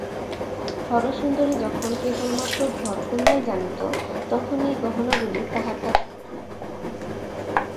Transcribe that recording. হরসুন্দরী যখন কেবলমাত্র ঘরকন্নাই জানিত তখন এই গহনাগুলি তাহার কাছে কত দামি ছিল।